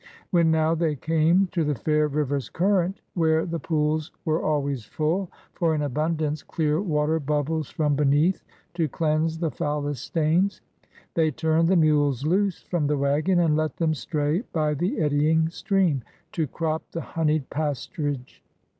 When now they came to the fair river's current, where the pools were always full, — for in abundance clear water bubbles from beneath to cleanse the foulest stains, — they turned the mules loose from the wagon, and let them stray by the eddying stream, to crop the honeyed pasturage.